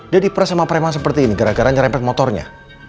dia diperas sama prema seperti ini gara garanya rempet motornya